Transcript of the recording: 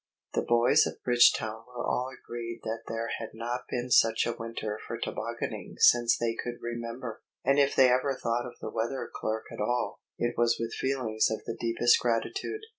* The boys of Bridgetown were all agreed that there had not been such a winter for tobogganing since they could remember; and if they ever thought of the weather clerk at all, it was with feelings of the deepest gratitude.